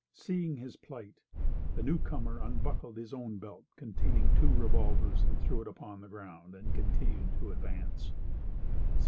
Seeing his plight, the newcomer unbuckled his own belt containing two revolvers, threw it upon the ground, and continued to advance.